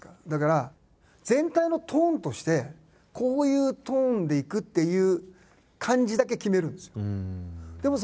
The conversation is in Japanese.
だから全体のトーンとしてこういうトーンでいくっていう感じだけ決めるんですよ。